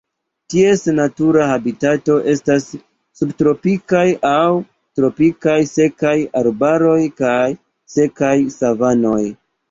Ties natura habitato estas subtropikaj aŭ tropikaj sekaj arbaroj kaj sekaj savanoj.